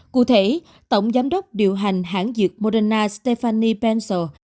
cụ thể tổng giám đốc điều hành hãng dược moderna stephanie pencil